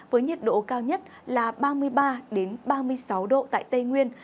với nhiệt độ cao nhất là ba mươi ba ba mươi sáu độ tại tây nguyên